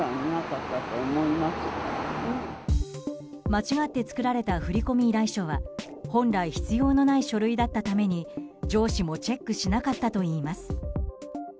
間違って作られた振込依頼書は本来必要のない書類だったために上司もチェックしなかったといいます。